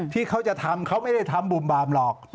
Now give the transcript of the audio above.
ที่เขาจะทำเขาไม่ได้ทำบุ่มบามหรอก